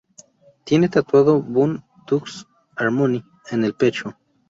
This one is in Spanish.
Tiene tatuado Bone Thugs-n-Harmony en el pecho.